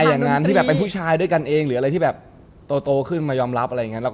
อย่างนั้นที่แบบเป็นผู้ชายด้วยกันเองหรืออะไรที่แบบโตขึ้นมายอมรับอะไรอย่างนี้